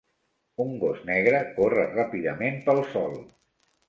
Un gos negre corre ràpidament pel sòl